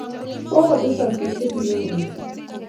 kokotesak bik chetinye koroito